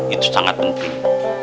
itu sangat penting